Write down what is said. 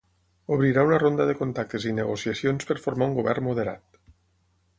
Obrirà una ronda de contactes i negociacions per formar un govern “moderat”.